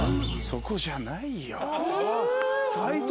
「そこじゃない」？